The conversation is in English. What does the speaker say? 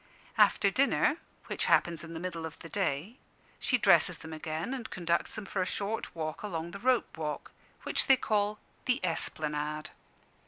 After dinner (which happens in the middle of the day) she dresses them again and conducts them for a short walk along the Rope walk, which they call "the Esplanade."